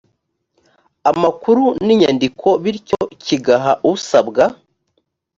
amakuru n inyandiko bityo kigaha usabwa